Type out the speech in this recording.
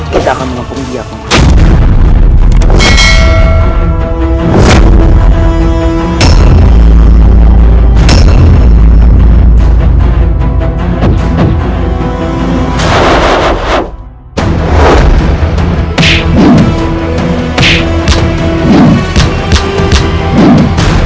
kita akan menghukum dia paman